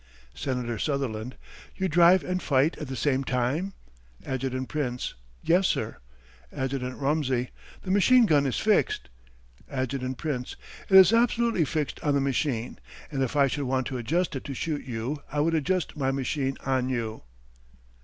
Senator Sutherland: You drive and fight at the same time? Adjt. Prince: Yes, sir. Adjt. Rumsey: The machine gun is fixed. Adjt. Prince: It is absolutely fixed on the machine, and if I should want to adjust it to shoot you, I would adjust my machine on you.